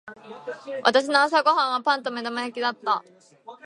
私の朝ご飯はパンと目玉焼きだった。